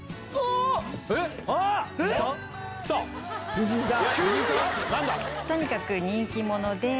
藤井さん！